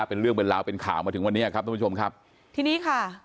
เป็นเรื่องเป็นราวเป็นข่าวมาถึงวันนี้ครับทุกผู้ชมครับทีนี้ค่ะ